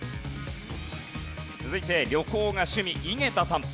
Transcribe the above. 続いて旅行が趣味井桁さん。